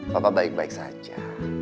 papa baik baik saja